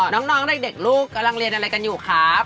น้องเด็กลูกกำลังเรียนอะไรกันอยู่ครับ